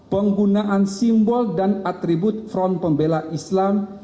penggunaan simbol dan atribut front pembela islam